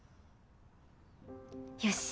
よし。